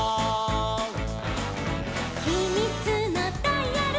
「ひみつのダイヤル」